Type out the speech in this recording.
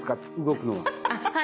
動くのは。